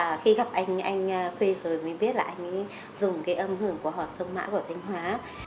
và khi gặp anh anh khuy rồi mới biết là anh ấy dùng cái âm hưởng của họ sông mã của thành hoa